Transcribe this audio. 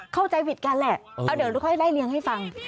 เข้าใจผิดกันแหละเดี๋ยวดูไข้ได้เรียงให้ฟัง